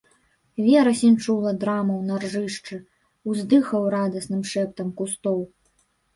Верасень чула драмаў на ржышчы, уздыхаў радасным шэптам кустоў.